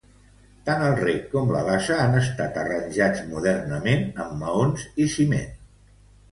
Tant el rec com la bassa han estat arranjats modernament amb maons i ciment.